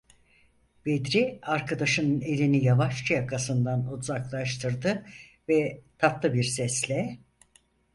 Bedri arkadaşının elini yavaşça yakasından uzaklaştırdı ve tatlı bir sesle: